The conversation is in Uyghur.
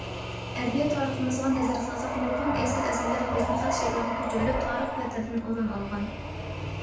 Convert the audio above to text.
ئەدەبىيات تارىخىمىزغا نەزەر سالساق، نۇرغۇن ئېسىل ئەسەرلەر ھۆسنخەت شەكلىدە كۆچۈرۈلۈپ، تارىخ بەتلىرىدىن ئورۇن ئالغان.